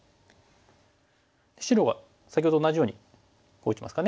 白は先ほどと同じようにこう打ちますかね。